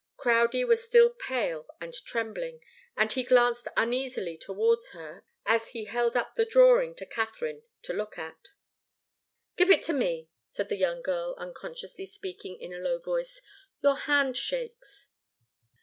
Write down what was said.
Crowdie was still pale and trembling, and he glanced uneasily towards her, as he held up the drawing to Katharine to look at. "Give it to me," said the young girl, unconsciously speaking in a low voice. "Your hand shakes."